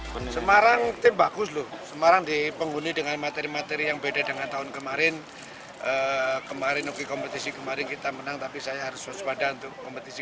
gandang di arah itu menurut saya memiliki kualitas yang bagus kita harus waspadai